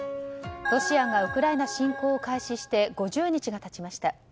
ロシアがウクライナ侵攻を開始して５０日が経ちました。